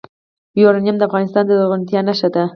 یورانیم د افغانستان د زرغونتیا نښه ده.